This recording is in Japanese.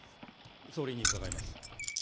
総理に伺います。